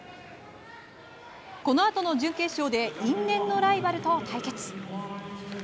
このあとの準決勝で因縁のライバルと対決。